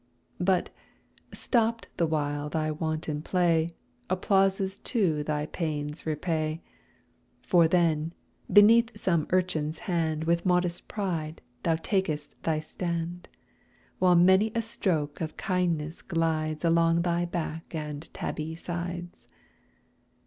But, stopped the while thy wanton play, Applauses too thy pains repay: For then, beneath some urchin's hand With modest pride thou takest thy stand, While many a stroke of kindness glides Along thy back and tabby sides.